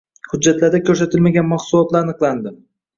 Hujjatlarda ko‘rsatilmagan mahsulotlar aniqlanding